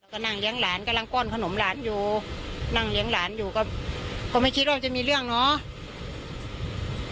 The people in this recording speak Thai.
ก็นั่งเลี้ยงหลานกำลังป้อนขนมหลานอยู่นั่งเลี้ยงหลานอยู่ก็ไม่คิดว่าจะมีเรื่องเนาะ